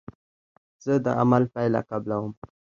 زه د عمل پایله قبلوم.